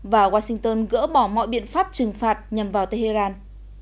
và washington gỡ bỏ mọi biện pháp trừng phạt nhằm vào tehran